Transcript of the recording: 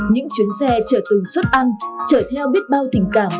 những chuyến xe chở từng suất ăn chở theo biết bao tình cảm